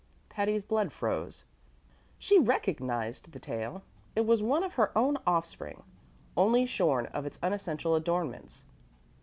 Patty's blood froze. She recognized the tale. It was one of her own offspring, only shorn of its unessential adornments.